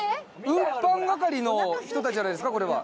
運搬係の人たちじゃないですかこれは。